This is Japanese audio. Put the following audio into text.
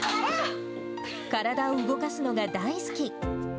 体を動かすのが大好き。